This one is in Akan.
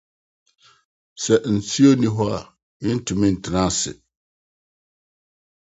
Sɛ nsu nni hɔ a, yɛrentumi ntra ase.